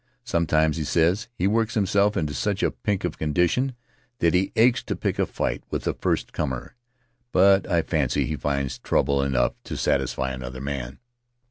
Sometimes, he says, he works himself into such a pink of condition that he aches to pick a fight with the first comer, but I fancy he finds trouble enough to satisfy another man.